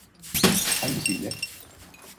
Hangisiyle?